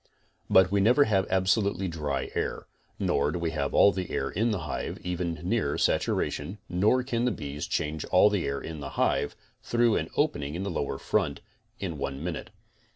But we never have absolutely dry air, nor do we have all the air in the hive even near saturation, nor can the bees change all the air in the hive, through an opening in the lower front, in one min ute.